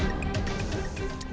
mereka sudah akrab bagaikan kawan lama